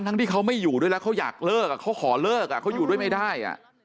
ที่เขาไม่อยู่ด้วยแล้วเขาอยากเลิกเขาขอเลิกเขาอยู่ด้วยไม่ได้